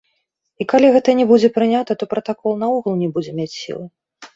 І калі гэта не будзе прынята, то пратакол наогул не будзе мець сілы.